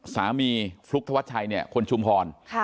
สามีภลุกษ์ทวัฒน์ไทยเนี่ยคนชุมพร